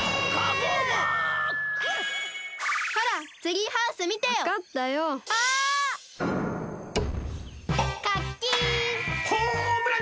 ホームランじゃ！